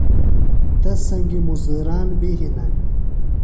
تس سنگیۡ مُزدُران بیۡ ہِنہ۔